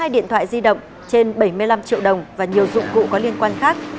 một mươi điện thoại di động trên bảy mươi năm triệu đồng và nhiều dụng cụ có liên quan khác